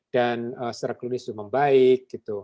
dan serak klinis sudah membaik